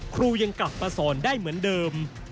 ครูยังกลับมาสอนได้เหมือนเดิม